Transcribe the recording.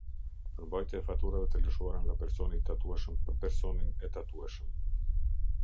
Përmbajtja e faturave të lëshuara nga personi i tatueshëm për personin e tatueshëm.